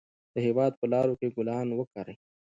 د هېواد په لارو کې ګلان وکرئ.